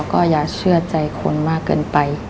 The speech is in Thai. ก็อย่าเชื่อใจคนมากเกินไป